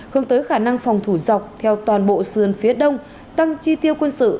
hướng tới khả năng phòng thủ dọc theo toàn bộ sườn phía đông tăng chi tiêu quân sự